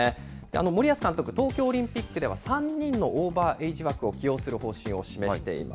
森保監督、東京オリンピックでは３人のオーバーエイジ枠を起用する方針を示しています。